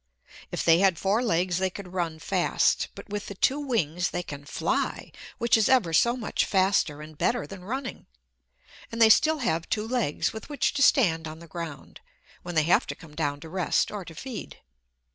If they had four legs they could run fast; but with the two wings they can fly, which is ever so much faster and better than running. And they still have two legs with which to stand on the ground, when they have to come down to rest or to feed.